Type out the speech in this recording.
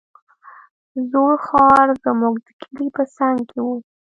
زوړ ښار زموږ د کلي په څنگ کښې و.